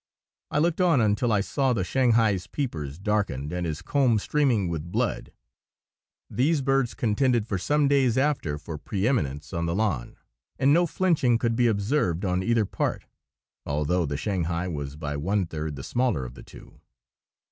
I looked on until I saw the Shanghai's peepers darkened, and his comb streaming with blood. These birds contended for some days after for preëminence on the lawn, and no flinching could be observed on either part, although the Shanghai was by one third the smaller of the two.